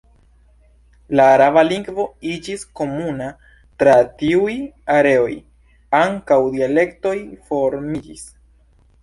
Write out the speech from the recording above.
La araba lingvo iĝis komuna tra tiuj areoj; ankaŭ dialektoj formiĝis.